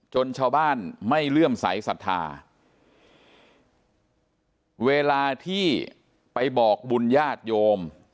ชาวบ้านไม่เลื่อมใสสัทธาเวลาที่ไปบอกบุญญาติโยม